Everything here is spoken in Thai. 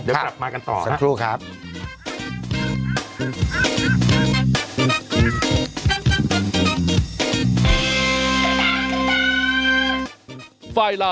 เดี๋ยวกลับมากันต่อครับสำคัญครับสำคัญครับ